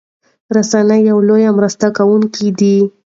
رسنۍ يو لويه مرسته کوونکي دي